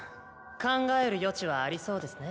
考える余地はありそうですね。